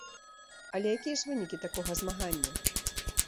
Але якія ж вынікі такога змагання?